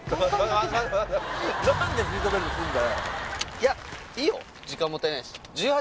いやいいよ